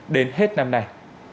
đến hết năm này